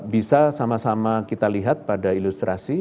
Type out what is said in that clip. bisa sama sama kita lihat pada ilustrasi